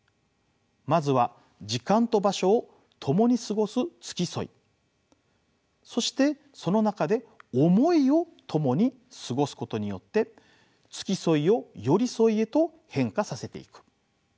まずは時間と場所を共に過ごす付き添いそしてその中で思いを共に過ごすことによって付き添いを寄り添いへと変化させていく。